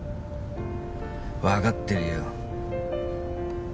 分かってるよ